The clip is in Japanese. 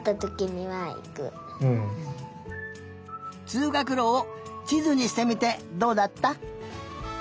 つうがくろをちずにしてみてどうだった？